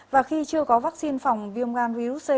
và khi chưa có vaccine phòng viêm gan virus c